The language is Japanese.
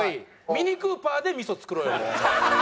ミニクーパーで味噌作ろうよもう。